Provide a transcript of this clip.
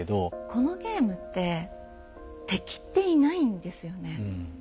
このゲームって「敵」っていないんですよね。